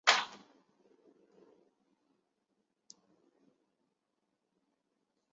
拥有头骨的动物称为有头动物。